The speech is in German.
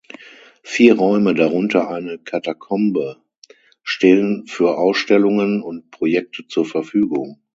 Vier Räume, darunter eine Katakombe, stehen für Ausstellungen und Projekte zur Verfügung.